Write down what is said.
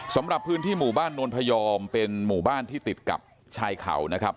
สำหรับพื้นที่หมู่บ้านนวลพยอมเป็นหมู่บ้านที่ติดกับชายเขานะครับ